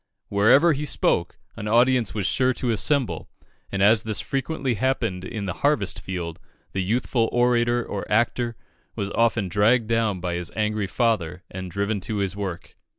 Wherever he spoke an audience was sure to assemble, and as this frequently happened in the harvest field, the youthful orator or actor was often dragged down by his angry father and driven to his work.